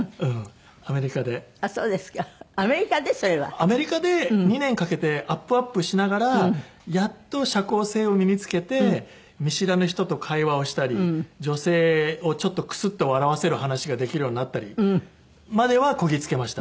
アメリカで２年かけてアップアップしながらやっと社交性を身につけて見知らぬ人と会話をしたり女性をちょっとクスッと笑わせる話ができるようになったりまではこぎつけました。